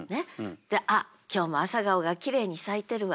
「あっ今日も朝顔がきれいに咲いてるわ。